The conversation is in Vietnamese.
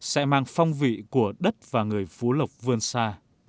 sẽ mang phong vị của đất và người phú lộc vươn xa